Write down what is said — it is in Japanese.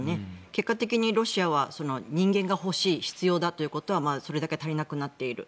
結果的にロシアは人間が欲しい必要だということはそれだけ足りなくなっている。